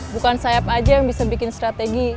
bukan sayap aja yang bisa bikin strategi